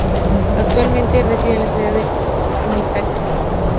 Actualmente reside en la ciudad de Punitaqui.